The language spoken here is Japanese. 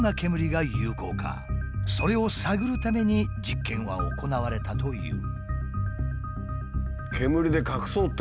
それを探るために実験は行われたという。